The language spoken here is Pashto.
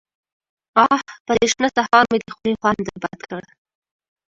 _اه! په دې شنه سهار مې د خولې خوند در بد کړ.